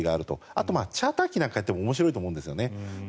あとはチャーター機をやっても面白いと思うんですよね。